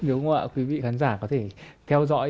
nếu quý vị khán giả có thể theo dõi